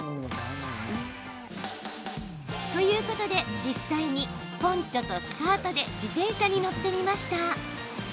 ということで実際にポンチョとスカートで自転車に乗ってみました。